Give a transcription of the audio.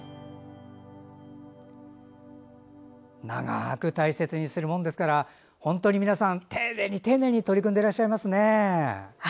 長く大切にするものですから本当に皆さん、丁寧に丁寧に取り組んでいらっしゃいますね。